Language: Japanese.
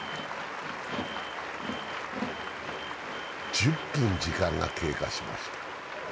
１０分時間が経過しました。